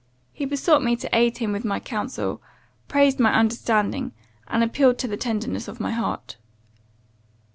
He besought me to aid him with my counsel, praised my understanding, and appealed to the tenderness of my heart.